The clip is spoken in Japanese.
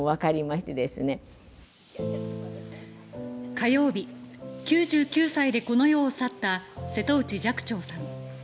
火曜日、９９歳でこの世を去った瀬戸内寂聴さん。